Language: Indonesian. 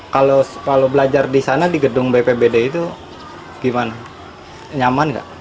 kalau belajar di sana di gedung bpbd itu gimana nyaman nggak